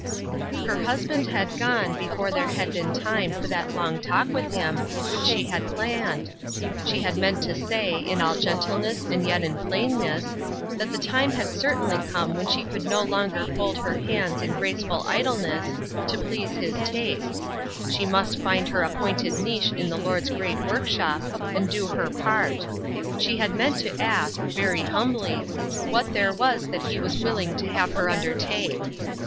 Her husband had gone before there had been time for that long talk with him which she had planned. She had meant to say, in all gentleness and yet in plainness, that the time had certainly come when she could no longer fold her hands in graceful idleness, to please his tastes ; she must find her appointed niche in the Lord's great work shop, and do her part. She had meant to ask — very humbly — what there was that he was willing to have her undertake.